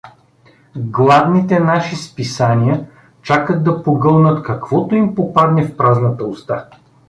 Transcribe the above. Гладните наши списания чакат да погълнат каквото им попадне в празната уста.